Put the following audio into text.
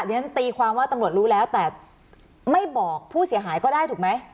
เดี๋ยวฉันตีความว่าตำรวจรู้แล้วแต่ไม่บอกผู้เสียหายก็ได้ถูกไหม